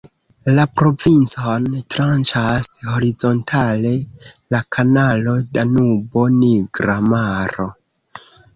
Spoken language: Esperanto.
La provincon "tranĉas" horizontale la Kanalo Danubo-Nigra Maro.